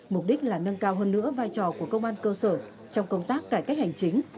mục đích là nâng cao hơn nữa vai trò của công an cơ sở trong công tác cải cách hành chính